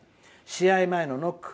試合前のノック。